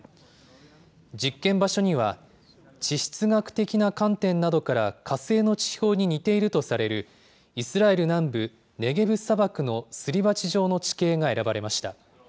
実験場所には、地質学的な観点などから、火星の地表に似ているとされる、イスラエル南部ネゲブ砂漠のすり鉢状の地形が選ばれました。